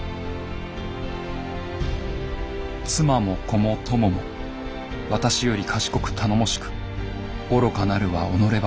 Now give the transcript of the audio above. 「妻も子も友も私より賢く頼もしく愚かなるは己ばかり。